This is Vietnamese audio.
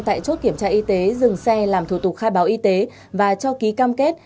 tại chốt kiểm tra y tế dừng xe làm thủ tục khai báo y tế và cho ký cam kết